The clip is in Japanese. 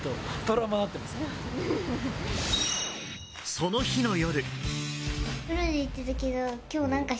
その日の夜。